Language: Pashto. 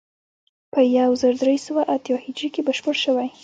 په یو زر درې سوه اتیا هجري کې بشپړ شوی.